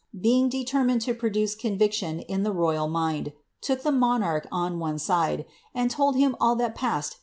b g determined to produce conviciion in the royvl i look the n on oue side, and told him all tliai passed